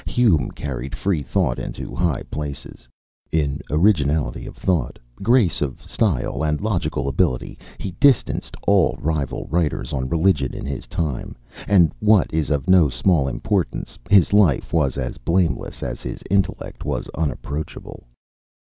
Hume carried Freethought into high places. In originality of thought, grace of style, and logical ability, he distanced all rival writers on religion in his time, and what is of no small importance, his life was as blameless as his intellect was unapproachable.